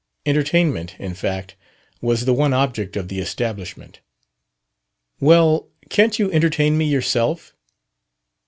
Entertainment, in fact, was the one object of the establishment. "Well, can't you entertain me yourself?"